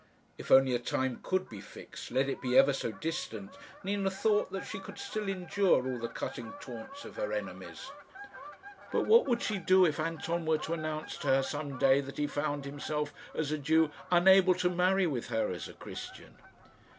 If only a time could be fixed, let it be ever so distant, Nina thought that she could still endure all the cutting taunts of her enemies. But what would she do if Anton were to announce to her some day that he found himself, as a Jew, unable to marry with her as a Christian?